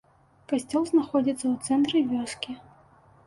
Касцёл знаходзіцца ў цэнтры вёскі.